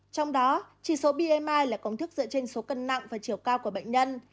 trong đó chỉ số bimi là công thức dựa trên số cân nặng và chiều cao của bệnh nhân